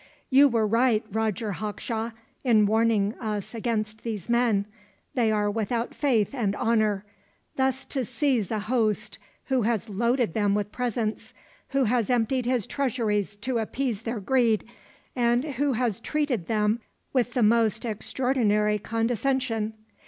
"You were right, Roger Hawkshaw, in warning us against these men. They are without faith and honor, thus to seize a host who has loaded them with presents, who has emptied his treasuries to appease their greed, and who has treated them with the most extraordinary condescension.